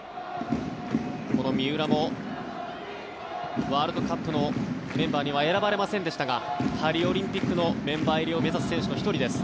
この三浦もワールドカップのメンバーには選ばれませんでしたがパリオリンピックのメンバー入りを目指す選手の１人です。